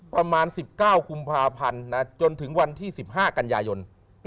ประมาณ๑๙กภจนถึงวันที่๑๕กัญญายน